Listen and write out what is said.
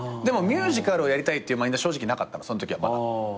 でもミュージカルをやりたいっていうマインドは正直なかったのそのときはまだ。